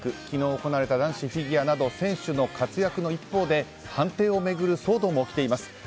昨日行われた男子フィギュアなど選手の活躍の一方で判定を巡る騒動も起きています。